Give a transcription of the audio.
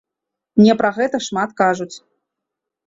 Мне пра гэта шмат кажуць.